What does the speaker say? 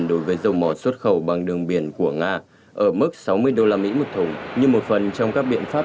đối với dầu mỏ xuất khẩu bằng đường biển của nga ở mức sáu mươi usd một thùng như một phần trong các biện pháp